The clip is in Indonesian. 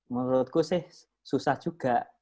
menurutku sih susah juga